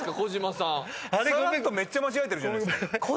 ⁉さらっとめっちゃ間違えてるじゃないですか。